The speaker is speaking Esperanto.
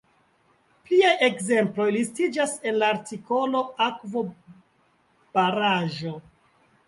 Pliaj ekzemploj listiĝas en la artikolo akvobaraĵo.